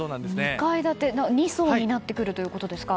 ２階建て２層になってくるということですか？